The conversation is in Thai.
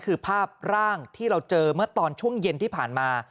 คือภาพร่างที่เราเจอเมื่อตอนช่วงเย็นที่ผ่านมา